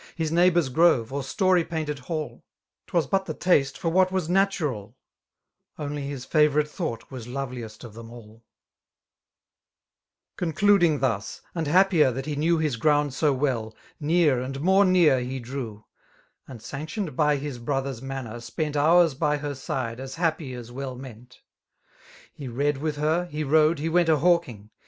His neighbour's grove, or story^painted hall^ 'Tw^iifcat the taste for what was nalural; Only his fav'rite thought was loveliest of them all* 60 Concluding tkkm, and feappier tiiat lie kneir His ground so wdl, near and more near iie> drewi ■ And^ sanctioned by his brother^s manner^ spent Hours by her side as happy as weU meant. He read witii her^ he rode, he went a hawking.